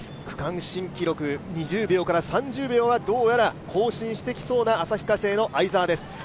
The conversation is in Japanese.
区間新記録、２０秒から３０秒はどうやら更新してきそうな旭化成の相澤です。